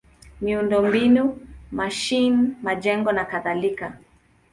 miundombinu: mashine, majengo nakadhalika.